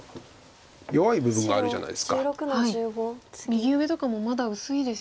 右上とかもまだ薄いですよね。